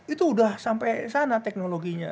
itu sudah sampai sana teknologinya